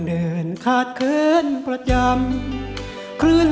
เราเริ่มจากศูนย์